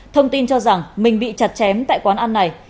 thông tin cho rằng mình bị chặt chém tại quán ăn này